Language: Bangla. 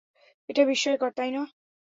এটা বিস্ময়কর, তাই না?